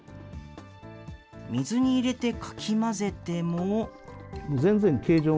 水に入れてかき混ぜても。